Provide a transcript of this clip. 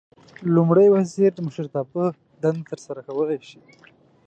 لومړی وزیر د مشرتابه دنده ترسره کولای شي.